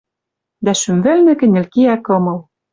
Дӓ шӱм вӹлнӹ кӹньӹл кеӓ кымыл.